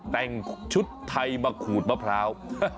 แต่งชุดไทยมาขูดมะพร้าว